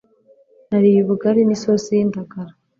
Nariye ubugali n’isosi y’indagara.